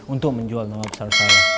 untuk menjual nama besar saya